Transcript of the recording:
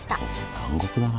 南国だな。